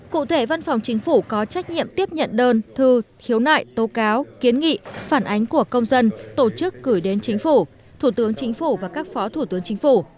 cụ thể văn phòng chính phủ có trách nhiệm tiếp nhận đơn thư khiếu nại tố cáo kiến nghị phản ánh của công dân tổ chức gửi đến chính phủ thủ tướng chính phủ và các phó thủ tướng chính phủ